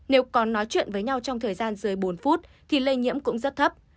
nếu còn nói chuyện với nhau trong thời gian dưới bốn phút thì lây nhiễm cũng rất thấp